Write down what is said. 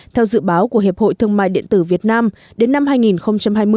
theo dự báo của hiệp hội thương mại điện tử việt nam đến năm hai nghìn hai mươi